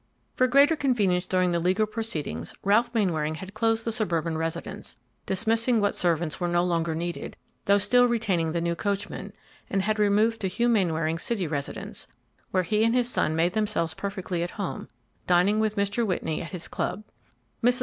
For greater convenience during the legal proceedings, Ralph Mainwaring had closed the suburban residence, dismissing what servants were no longer needed, though still retaining the new coachman, and had removed to Hugh Mainwaring's city residence, where he and his son made themselves perfectly at home, dining with Mr. Whitney at his club. Mrs.